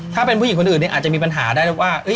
ถ้าเป็นผู้หญิงคนอื่นอาจจะมีปัญหาได้แล้วว่า